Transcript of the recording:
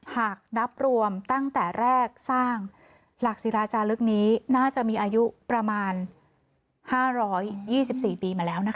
หากนับรวมตั้งแต่แรกสร้างหลักศิลาจารึกนี้น่าจะมีอายุประมาณห้าร้อยยี่สิบสี่ปีมาแล้วนะคะ